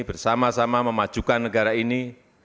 bersama sama memajukan negara ini